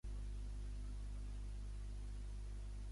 La parella va tenir tres fills, William, Junior Clement i Dan.